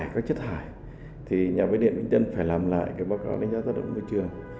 các chất thải thì nhà mỹ điện vĩnh tân phải làm lại cái báo cáo thanh giác tác động môi trường